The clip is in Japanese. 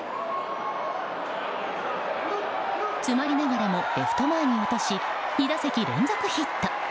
詰まりながらもレフト前に落とし２打席連続ヒット。